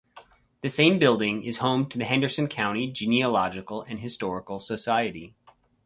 The same building is home to the Henderson County Genealogical and Historical Society.